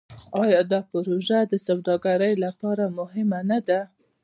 آیا دا پروژه د سوداګرۍ لپاره مهمه نه ده؟